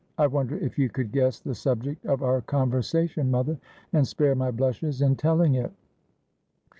I wonder if you could guess the subject of our conversation, mother, and spare my blushes in telling it?'